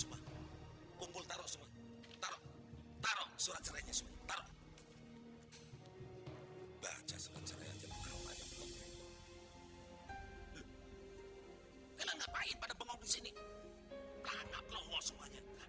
omi kamu harus dengar kata kata bapaknya